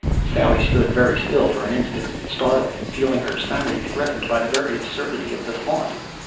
Sally stood very still for an instant, startled, feeling her sanity threatened by the very absurdity of the thought.